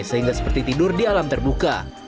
sehingga seperti tidur di alam terbuka